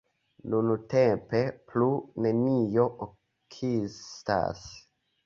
Nuntempe plu nenio ekzistas.